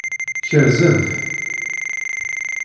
Kerzen-t.